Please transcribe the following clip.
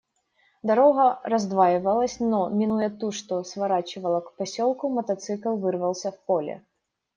Дорога раздваивалась, но, минуя ту, что сворачивала к поселку, мотоцикл вырвался в поле.